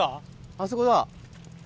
あそこだ。